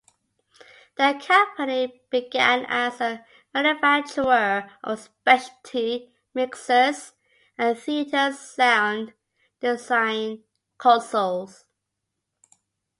The company began as a manufacturer of specialty mixers and theatre sound design consoles.